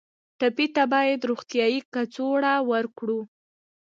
ټپي ته باید روغتیایي کڅوړه ورکړو.